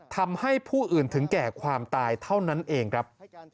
ทำให้ผู้อื่นถึงแก่ความตายเท่านั้นเองครับ